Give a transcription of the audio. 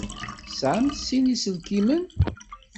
Tesεamt sin iselkimen?